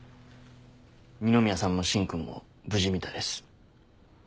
二宮さんも芯君も無事みたいです。